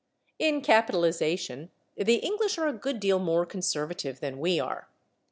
In capitalization the English are a good deal more conservative than we are.